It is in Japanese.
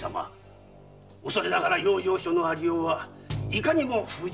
恐れながら養生所のありようはいかにも不十分でございます。